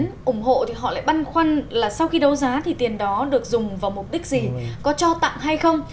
thứ một thì họ lại băn khoăn là sau khi đấu giá thì tiền đó được dùng vào mục đích gì có cho tặng hay không